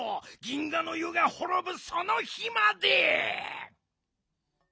銀河の湯がほろぶその日まで！